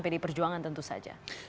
pdi perjuangan tentu saja